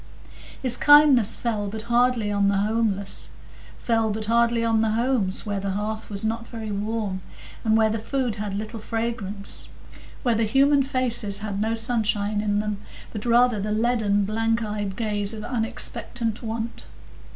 His kindness fell but hardly on the homeless,—fell but hardly on the homes where the hearth was not very warm, and where the food had little fragrance; where the human faces had had no sunshine in them, but rather the leaden, blank eyed gaze of unexpectant want.